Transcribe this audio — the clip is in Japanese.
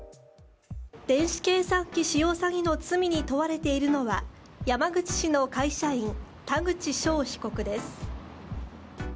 電子計算機使用詐欺の罪に問われているのは山口市の会社員、田口翔被告です。